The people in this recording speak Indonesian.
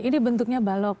ini bentuknya balok